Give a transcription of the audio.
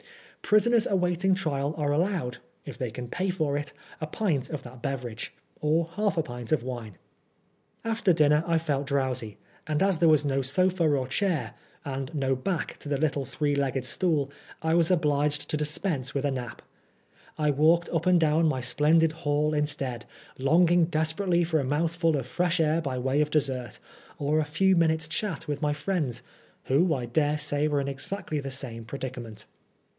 Prisoners awaiting trial are allowed (if they can pay for it) a pint of that beverage, or half a pint of wine. After dinner 1 felt drowsy, and as there was no sofa or chair, and no back to the little three legged stool, I was obliged to dispense with a nap. I walked up and down my splendid hall instead, longing desperately for a mouthful of fresh air by way of dessert, or a few minutes' chat with my friends, who I dare say were in exactly the same predicament.